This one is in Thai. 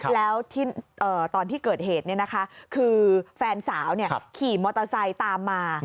แล้วตอนที่เกิดเหตุคือแฟนสาวขี่มอเตอร์ไซค์ตามมา